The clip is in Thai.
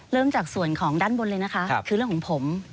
เริ่มจากส่วนของด้านบนเลยนะคะคือเรื่องของผม